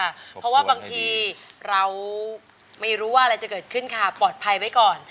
เพราะว่าบางทีเราไม่รู้ว่าอะไรจะเกิดขึ้นค่ะปลอดภัยไว้ก่อน